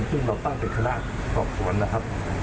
ซึ่งเราตั้งเป็นคณะสอบสวนนะครับ